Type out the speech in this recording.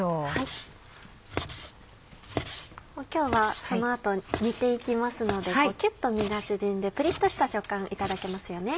今日はその後煮て行きますのでキュっと身が縮んでプリっとした食感いただけますよね。